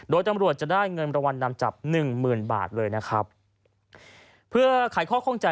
โดยตำรวจจะได้เงินรางวัลนำจับหนึ่งหมื่นบาทเลยนะครับเพื่อขายข้อข้องใจ